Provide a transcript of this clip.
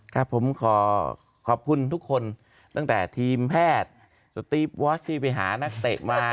ครับผมขอขอบคุณทุกคนตั้งแต่ทีมแพทย์สตีฟวอชที่ไปหานักเตะมา